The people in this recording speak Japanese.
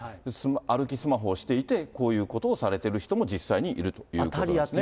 歩きスマホをしていて、こういうことをされてる人も、実際にいる当たり屋というケースですね。